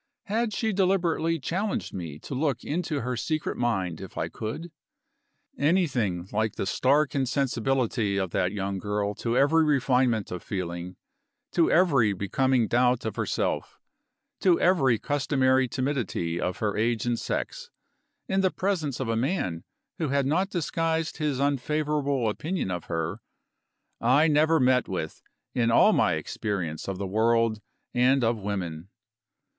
Had she deliberately challenged me to look into her secret mind if I could? Anything like the stark insensibility of that young girl to every refinement of feeling, to every becoming doubt of herself, to every customary timidity of her age and sex in the presence of a man who had not disguised his unfavorable opinion of her, I never met with in all my experience of the world and of women.